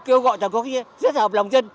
kêu gọi toàn quốc gia rất là hợp lòng dân